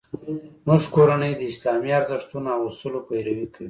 زموږ کورنۍ د اسلامي ارزښتونو او اصولو پیروي کوي